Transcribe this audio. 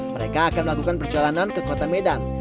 mereka akan melakukan perjalanan ke kota medan